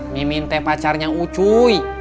mimin pacarnya ucuy